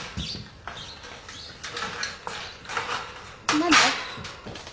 何で？